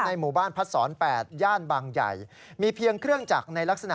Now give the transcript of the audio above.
อย่างแรกก่อนเลยเป็นบ้านก่อนเลย